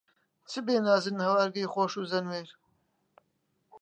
چ بێ نازن، هەوارگەی خۆش و زەنوێر